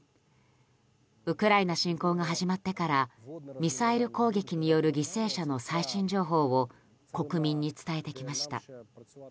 ウクライナ侵攻が始まってからミサイル攻撃による犠牲者の最新情報を国民に伝えてきました。